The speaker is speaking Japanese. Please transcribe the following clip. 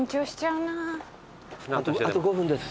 あと５分です。